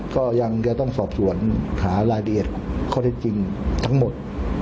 ก็ยังจะต้องสอบสวนหารายละเอียดข้อเท็จจริงทั้งหมด